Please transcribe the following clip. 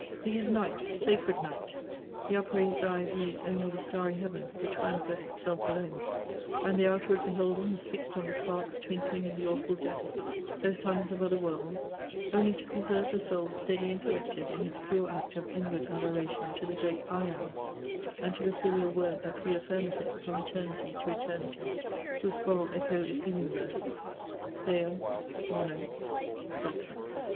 It is night, sacred night! the upraised eye views only the starry heaven which manifests itself alone: and the outward beholding is fixed on the sparks twinkling in the awful depth, though suns of other worlds, only to preserve the soul steady and collected in its pure act of inward adoration to the great I AM, and to the filial WORD that re affirmeth it from eternity to eternity, whose choral echo is the universe. THEO, MONO, DOXA.